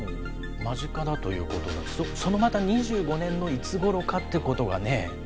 間近だということですね、その２５年のいつごろかっていうことがね。